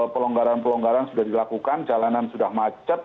pelonggaran pelonggaran sudah dilakukan jalanan sudah macet